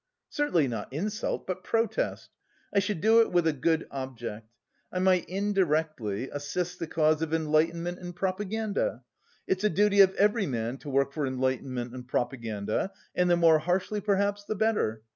"Certainly not insult, but protest. I should do it with a good object. I might indirectly assist the cause of enlightenment and propaganda. It's a duty of every man to work for enlightenment and propaganda and the more harshly, perhaps, the better.